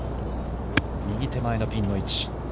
右手前のピンの位置。